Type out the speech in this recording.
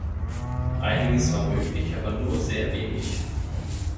Einiges war möglich, aber nur sehr wenig.